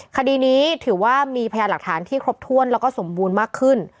คดีนี้ถือว่ามีพยานหลักฐานที่ครบถ้วนแล้วก็สมบูรณ์มากขึ้น